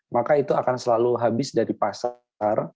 maka itu akan selalu habis dari pasar